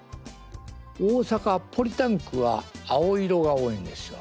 大阪ポリタンクは青色が多いんですよ。